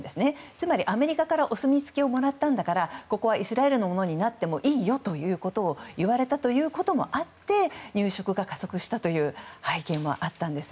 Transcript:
つまりアメリカからお墨付きをもらったんだからここはイスラエルのものになってもいいよと言われたということもあって入植が加速した背景もあったんです。